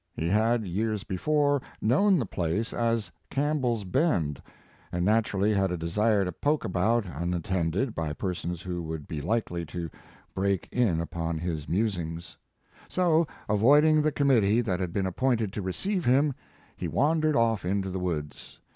He had, years be fore, known the place as Campbeirs Bend, and naturally, had a desire to poke about unattended by persons who would be likely to break in upon his musings; Mark Twain so, avoiding the committee that had been appointed to receive him, he wandered off into the woods.